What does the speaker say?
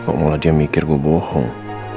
kok malah dia mikir gue bohong